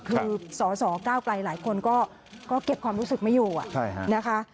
คือสสก้าวไกลหลายคนก็เก็บความรู้สึกไม่อยู่นะคะ